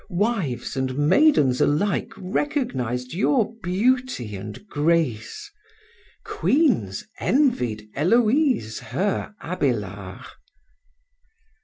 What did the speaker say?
Wives and maidens alike recognized your beauty and grace. Queens envied Héloïse her Abélard.